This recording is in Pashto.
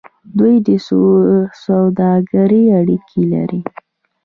دوی د سوداګرۍ اړیکې لرلې.